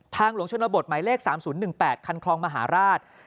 หลวงชนบทหมายเลข๓๐๑๘คันคลองมหาราช